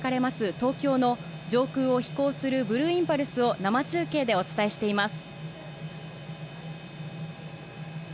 東京の上空を飛行するブルーインパルスを、生中継でお伝えしています。